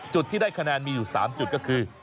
จุดที่ได้คะแนนมีอยู่๓จุดก็คือ